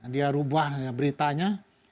dia rubah beritanya